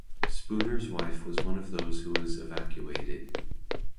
Spooner's wife was one of those who was evacuated.